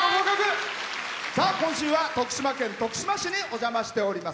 今週は徳島県徳島市にお邪魔しております。